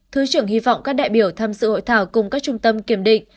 thứ trưởng hy vọng các đại biểu tham dự hội thảo cùng các trung tâm kiểm định